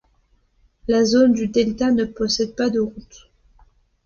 La zone du delta ne possède pas de route.